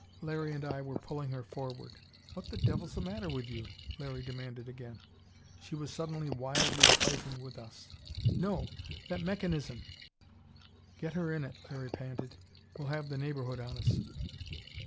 Larry and I were pulling her forward. "What the devil's the matter with you?" Larry demanded again. She was suddenly wildly fighting with us. "No! That that mechanism " "Get her in it!" Larry panted. "We'll have the neighborhood on us!"